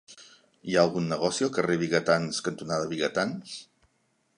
Hi ha algun negoci al carrer Vigatans cantonada Vigatans?